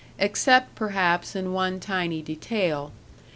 Except, perhaps, in one tiny detail.